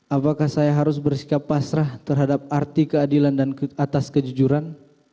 apakah saya harus bersikap pasrah terhadap arti keadilan dan atas kejujuran